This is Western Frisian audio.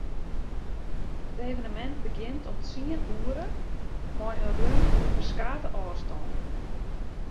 It evenemint begjint om tsien oere mei in run oer ferskate ôfstannen.